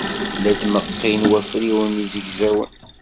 La d-meɣɣin wafriwen izegzawen.